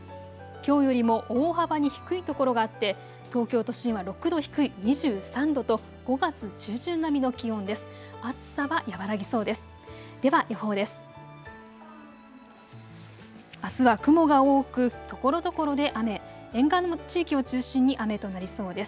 きょうよりも大幅に低いところがあって東京都心は６度低い２３度と５月中旬並みの気温です。